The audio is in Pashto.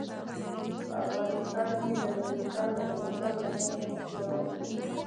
په افغانستان کې د نورستان د پرمختګ لپاره هڅې روانې دي.